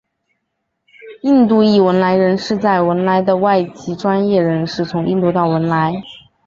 印度裔汶莱人是在文莱的外籍专业人士从印度到文莱。